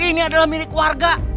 ini adalah milik warga